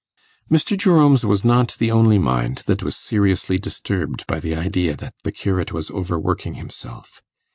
Mr. Jerome's was not the only mind that was seriously disturbed by the idea that the curate was over working himself.